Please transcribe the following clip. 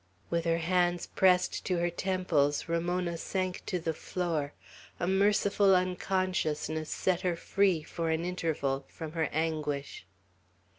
With her hands pressed to her temples, Ramona sank to the floor. A merciful unconsciousness set her free, for an interval, from her anguish.